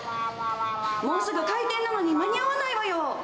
もうすぐ開店なのに、間に合わないわよ！